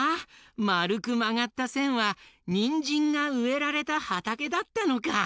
まるくまがったせんはにんじんがうえられたはたけだったのか！